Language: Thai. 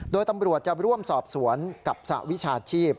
โดยตำรวจจะร่วมสอบสวนกับสหวิชาชีพ